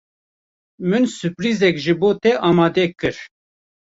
Min surprîzek ji bo te amade kir.